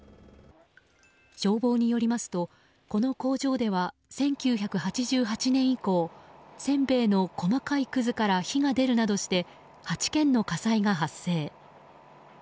消防によりますとこの工場では１９８８年以降せんべいの細かいくずから火が出るなどして８件の火災が発生。